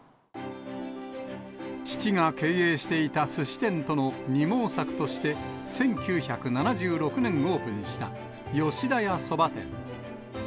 父が経営していたすし店との二毛作として、１９７６年にオープンした吉田屋そば店。